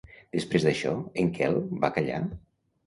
Després d'això, en Quel va callar?